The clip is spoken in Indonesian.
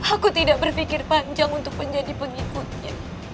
aku tidak berpikir panjang untuk menjadi pengikutnya